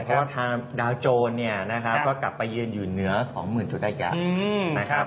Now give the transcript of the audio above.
เพราะว่าทางดาวโจรก็กลับไปเย็นอยู่เนื้อ๒๐๐๐๐จุดอีกแล้วนะครับ